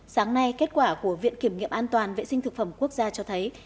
sáng nay kết quả của viện kiểm nghiệm an toàn vệ sinh thực phẩm quốc gia cho thấy